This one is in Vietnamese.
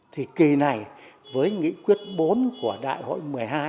thì kỳ này với nghị quyết bốn của đại hội một mươi hai